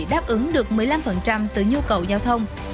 đáp ứng được một mươi năm từ nhu cầu giao thông